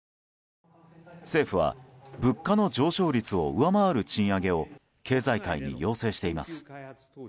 政府は物価の上昇率を上回る賃上げを経済界に要請しています。